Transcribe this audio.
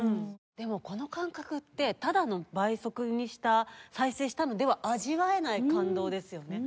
でもこの感覚ってただの倍速にした再生したのでは味わえない感動ですよね。